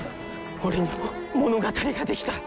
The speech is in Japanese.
俺にも物語が出来た。